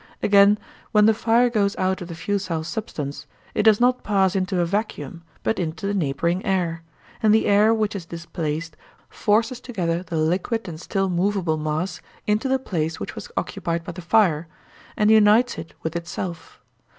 Again, when the fire goes out of the fusile substance, it does not pass into a vacuum, but into the neighbouring air; and the air which is displaced forces together the liquid and still moveable mass into the place which was occupied by the fire, and unites it with itself.